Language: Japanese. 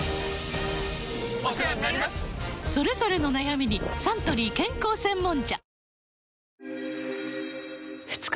それぞれの悩みにサントリー健康専門茶